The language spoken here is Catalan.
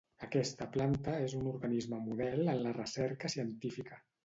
Aquesta planta és un organisme model en la recerca científica.